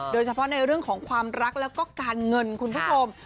โดยเฉพาะในเรื่องของความรักแล้วก็การเงินคุณผู้ชม